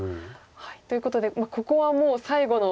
ということでここはもう最後の。